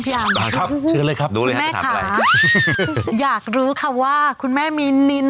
นินหรือป้องพี่อัอน